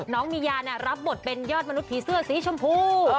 น้องมียารับบทเป็นยอดมนุษย์ผีเสื้อสีชมพู